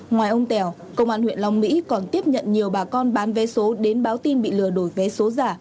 ngoài ông tèo công an huyện long mỹ còn tiếp nhận nhiều bà con bán vé số đến báo tin bị lừa đổi vé số giả